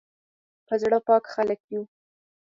په زړه پاک خلک یو